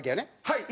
はい。